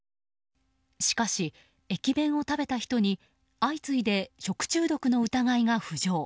しかし、駅弁を食べた人に相次いで食中毒の疑いが浮上。